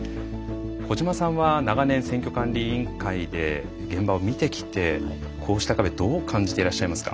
小島さんは長年選挙管理委員会で現場を見てきてこうした壁どう感じていらっしゃいますか。